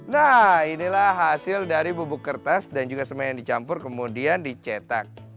nah inilah hasil dari bubuk kertas dan juga semen yang dicampur kemudian dicetak